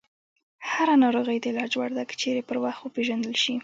هره ناروغي د علاج وړ ده، که چیرې پر وخت وپېژندل شي.